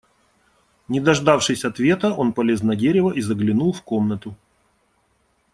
Не дождавшись ответа, он полез на дерево и заглянул в комнату.